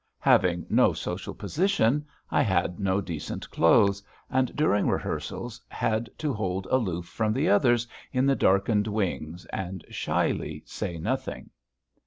Having no social position, I had no decent clothes, and during rehearsals had to hold aloof from the others in the darkened wings and shyly say nothing.